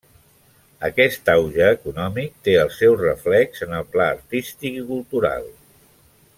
Aquest auge econòmic té el seu reflex en el pla artístic i cultural.